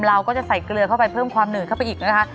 เราก็จะใส่เกลือเข้าไปเพิ่มความหนืดเข้าไปอีกนะคะ